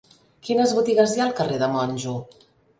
Quines botigues hi ha al carrer de Monjo?